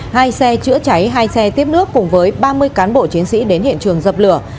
hai xe chữa cháy hai xe tiếp nước cùng với ba mươi cán bộ chiến sĩ đến hiện trường dập lửa